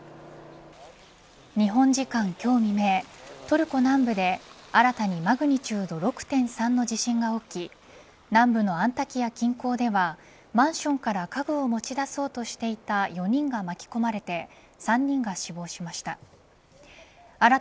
日本時間今日未明トルコ南部で新たにマグニチュード６．３の地震が起き南部のアンタキヤ近郊ではマンションから家具を持ち出そうとしていた４人が巻き込まれて３人が死亡しました。